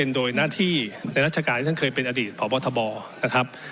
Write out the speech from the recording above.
โดยหน้าที่ในราชการที่ท่านเคยเป็นอดีตพบทบนะครับ